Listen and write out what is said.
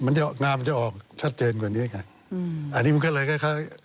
งานมันจะออกชัดเจนกว่านี้